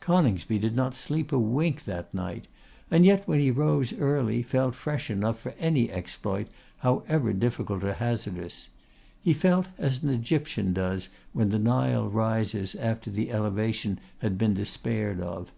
Coningsby did not sleep a wink that night, and yet when he rose early felt fresh enough for any exploit, however difficult or hazardous. He felt as an Egyptian does when the Nile rises after its elevation had been despaired of.